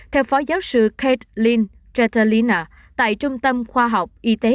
theo phó giáo sư kate lynn tretelina tại trung tâm khoa học y tế